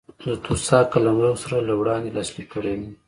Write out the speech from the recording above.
د توسا قلمرو سره له وړاندې لاسلیک کړی و.